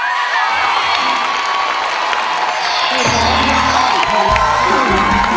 เพื่อนรักไดเกิร์ต